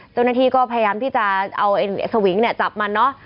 เจ้าหน้าที่ก็พยายามที่จะเอาสวิงเนี่ยจับมันเนอะ